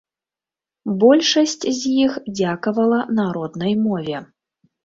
Большасць з іх дзякавала на роднай мове.